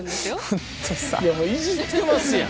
いじってますやん。